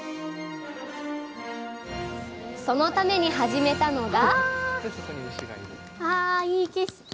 そのために始めたのが？